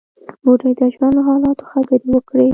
بوډۍ د ژوند له حالاتو خبرې وکړې.